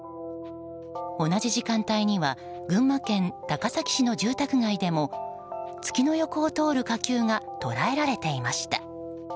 同じ時間帯には群馬県高崎市の住宅街でも月の横を通る火球が捉えられていました。